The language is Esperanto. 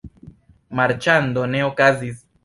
Marĉando ne okazis.